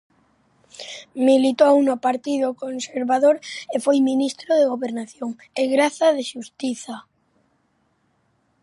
Militou no Partido Conservador e foi ministro de Gobernación e de Graza e Xustiza.